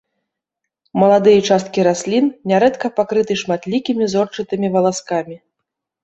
Маладыя часткі раслін нярэдка пакрыты шматлікімі зорчатымі валаскамі.